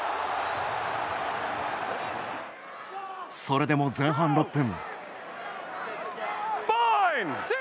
それでも、前半６分。